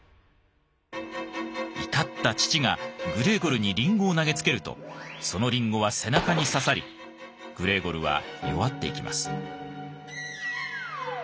怒った父がグレーゴルにリンゴを投げつけるとそのリンゴは背中に刺さりグレーゴルは弱っていきます。